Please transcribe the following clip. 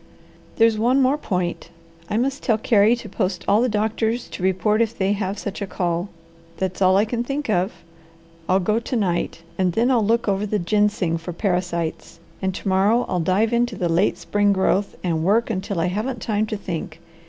There's one more point: I must tell Carey to post all the doctors to report if they have such a call. That's all I can think of. I'll go to night, and then I'll look over the ginseng for parasites, and to morrow I'll dive into the late spring growth and work until I haven't time to think.